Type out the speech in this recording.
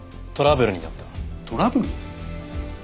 トラブル？